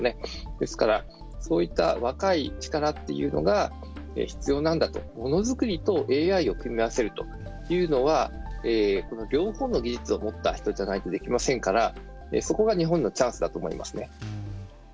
ですから、そういった若い力っていうのが必要なんだと。ものづくりとＡＩを組み合わせるというのはこの両方の技術を持った人じゃないとできませんからそこが日本のチャンスだと思いますね。